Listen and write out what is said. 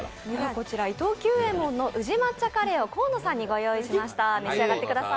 こちら伊藤久右衛門の宇治抹茶カレーを河野さんにご用意しました。